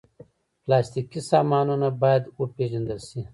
پلاستيکي سامانونه باید وپېژندل شي.